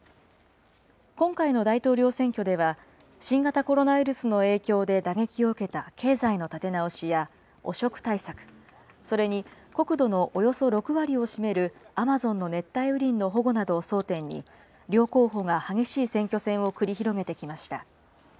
今回の大統領選挙では、新型コロナウイルスの影響で打撃を受けた経済の立て直しや、汚職対策、それに国土のおよそ６割を占めるアマゾンの熱帯雨林の保護などを争点に、両候補が激しい選挙戦を繰り広げてきました。